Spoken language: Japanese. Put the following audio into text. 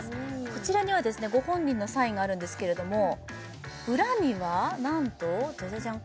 こちらにはご本人のサインがあるんですけれども裏にはなんとジャジャジャン！